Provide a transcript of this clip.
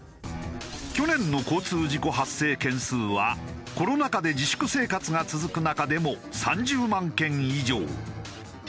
去年の交通事故発生件数はコロナ禍で自粛生活が続く中でも３０万件以上。